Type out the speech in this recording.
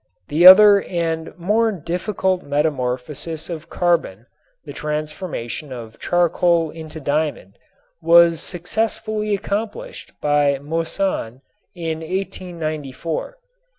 The other and more difficult metamorphosis of carbon, the transformation of charcoal into diamond, was successfully accomplished by Moissan in 1894.